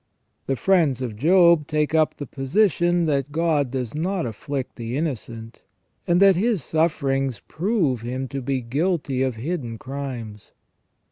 The friends of Job take up the position that God does not afflict the innocent, and that his sufferings prove him to be guilty of hidden crimes.